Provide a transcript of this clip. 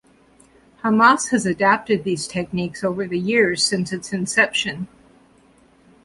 Hamas has adapted these techniques over the years since its inception.